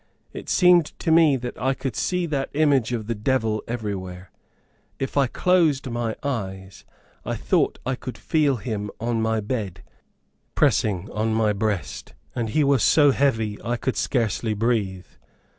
It seemed to me that I could see that image of the devil everywhere. If I closed my eyes, I thought I could feel him on my bed, pressing on my breast, and he was so heavy I could scarcely breathe.